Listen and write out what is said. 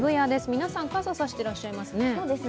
皆さん、傘を差してらっしゃいます